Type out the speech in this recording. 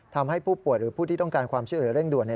ทำให้ผู้ป่วยหรือผู้ที่ต้องการความช่วยเหลือเร่งด่วน